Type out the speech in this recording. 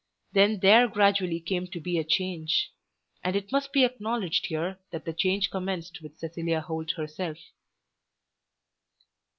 Then there gradually came to be a change. And it must be acknowledged here that the change commenced with Cecilia Holt herself.